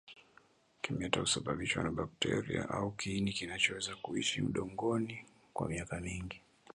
Kimeta husababishwa na bakteria au kiini kinachoweza kuishi udongoni kwa miaka mingi